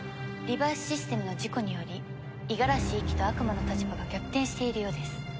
リバイスシステムの事故により五十嵐一輝と悪魔の立場が逆転しているようです。